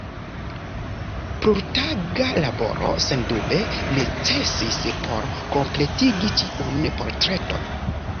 Plurtaga laboro sendube necesis por kompletigi ĉiun portreton.